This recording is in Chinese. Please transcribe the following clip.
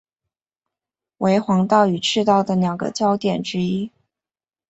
为黄道与赤道的两个交点之一。